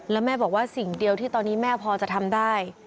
แล้วแม่บอกว่าสิ่งเดียวที่ตอนนี้แม่พอจะทำได้